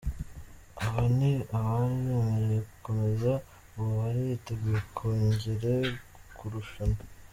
Aba ni abari bemerewe gukomeza, ubu bari biteguye kongere kurushanwa:.